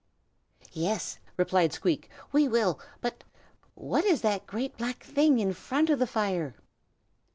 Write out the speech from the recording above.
"Yes!" replied Squeak, "we will. But what is that great black thing in front of the fire?"